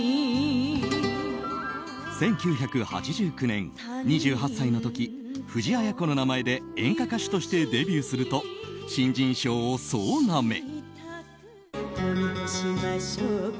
１９８９年、２８歳の時藤あや子の名前で演歌歌手としてデビューすると新人賞を総なめ。